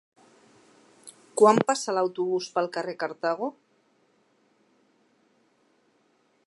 Quan passa l'autobús pel carrer Cartago?